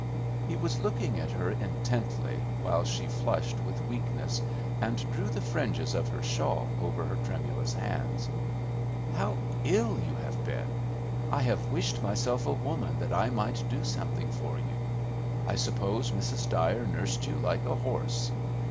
He was looking at her intently, while she flushed with weakness, and drew the fringes of her shawl over her tremulous hands. "How ill you have been! I have wished myself a woman, that I might do something for you! I suppose Mrs. Dyer nursed you like a horse."